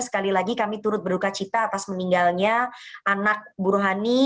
sekali lagi kami turut berduka cita atas meninggalnya anak bu rohani